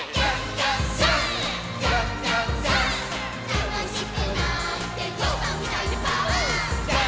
「たのしくなってぞうさんみたいにパオーン」